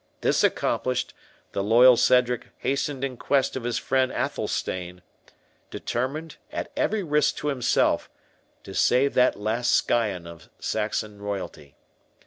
This accomplished, the loyal Cedric hastened in quest of his friend Athelstane, determined, at every risk to himself, to save that last scion of Saxon royalty.